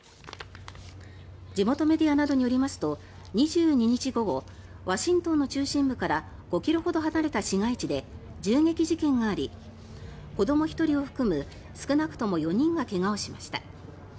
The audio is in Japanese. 地元メディアなどによりますと２２日午後ワシントンの中心部から５ｋｍほど離れた市街地で銃撃事件があり子ども１人を含む少なくとも４人が怪我をしました。